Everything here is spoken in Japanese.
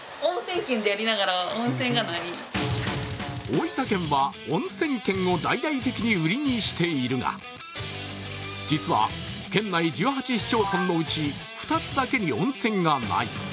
大分県はおんせん県を大々的に売りにしているが実は県内１８市町村のうち２つだけに温泉がない。